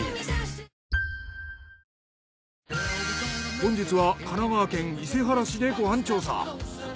本日は神奈川県伊勢原市でご飯調査。